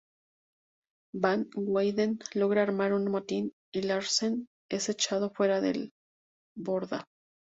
Van Weyden logra armar un motín y Larsen es echado fuera de borda.